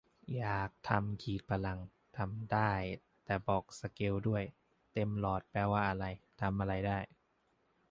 อยากทำขีดพลัง ทำได้ แต่บอกสเกลด้วย เต็มหลอดแปลว่าอะไร ทำอะไรได้